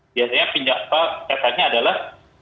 biasanya pinjaman efeknya adalah